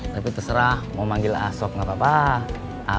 tapi terserah mau manggil asok nggak apa apa